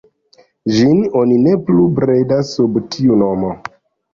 Ĝin oni ne plu bredas sub tiu nomo.